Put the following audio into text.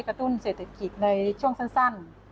ตุ้นเศรษฐกิจในช่วงสั้น